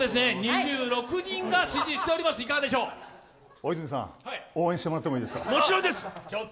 大泉さん、応援してもらってもいいですか。